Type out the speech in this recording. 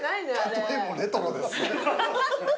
例えもレトロですね。